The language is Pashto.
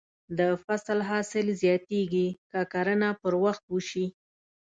د فصل حاصل زیاتېږي که کرنه پر وخت وشي.